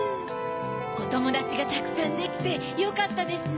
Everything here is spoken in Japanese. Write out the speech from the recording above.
おともだちがたくさんできてよかったですね。